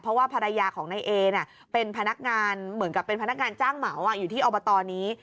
เพราะว่าภรรยาของนายเอเป็นพนักงานเหมือนกับเป็นพนักงานจ้างเหมาอยู่ที่อบตนี้